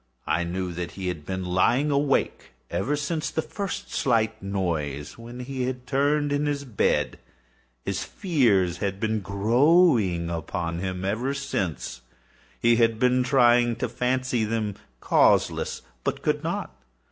I knew that he had been lying awake ever since the first slight noise, when he had turned in the bed. His fears had been ever since growing upon him. He had been trying to fancy them causeless, but could not.